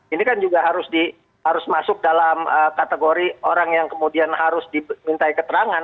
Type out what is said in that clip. ini kan juga harus masuk dalam kategori orang yang kemudian harus dimintai keterangan